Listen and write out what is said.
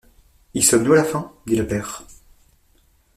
Y sommes-nous à la fin! dit le père.